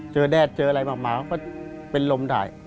แดดเจออะไรมากก็เป็นลมได้